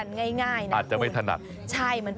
ไม่ใช่ได้ทำง่ายนะคุณ